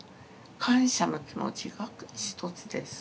感謝の気持ちが一つです。